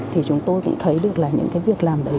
thì chúng tôi cũng thấy được là những cái việc làm đấy